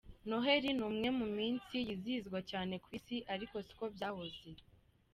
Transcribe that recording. Noheli ni umwe mu minsi yizihizwa cyane ku isi, ariko si ko byahoze.